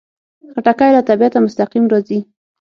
خټکی له طبیعته مستقیم راځي.